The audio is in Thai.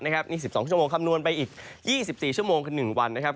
นี่๑๒ชั่วโมงคำนวณไปอีก๒๔ชั่วโมงใน๑วัน